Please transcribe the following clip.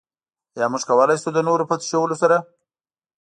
ايا موږ کولای شو د نورو په تشولو سره.